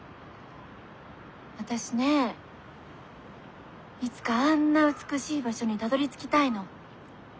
私ねいつかあんな美しい場所にたどりつきたいの。